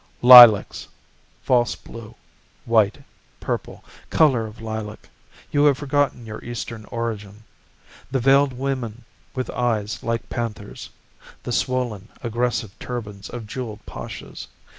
Lilacs, False blue, White, Purple, Color of lilac, You have forgotten your Eastern origin, The veiled women with eyes like panthers, The swollen, aggressive turbans of jeweled Pashas.